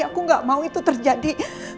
aku gak mau itu terjadi